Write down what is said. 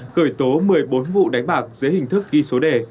khởi tố một mươi bốn vụ đánh bạc dưới hình thức ghi số đề